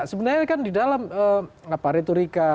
sebenarnya kan di dalam retorika